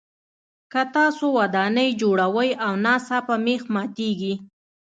که تاسو ودانۍ جوړوئ او ناڅاپه مېخ ماتیږي.